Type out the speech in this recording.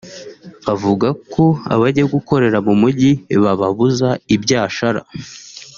bavuga ko abajya gukorera mu mujyi bababuza ibyashara